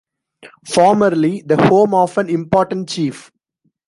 Formerly the home of an important chief.